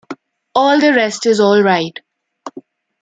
All the rest is all right.